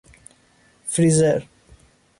فریزر